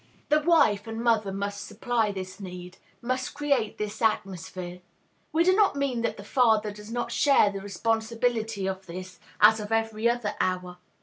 The wife and mother must supply this need, must create this atmosphere. We do not mean that the father does not share the responsibility of this, as of every other hour.